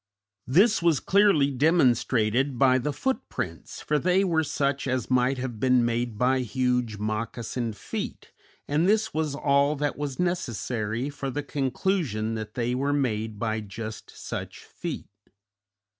This was clearly demonstrated by the footprints, for they were such as might have been made by huge moccasined feet, and this was all that was necessary for the conclusion that they were made by just such feet.